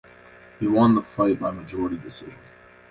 He won the fight by majority decision.